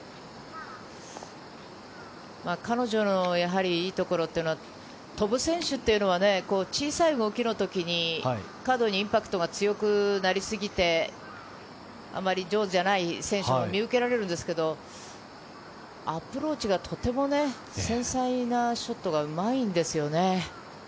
彼女のやはりいいところというのは、飛ぶ選手というのは小さい動きの時に、過度にインパクトが強くなりすぎて、あまり上手じゃない選手も見受けられるんですけど、アプローチが、とても繊細なショットがうまいんですね。